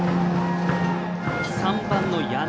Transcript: ３番の矢野。